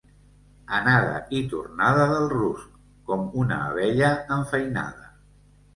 Anada i tornada del rusc, com una abella enfeinada.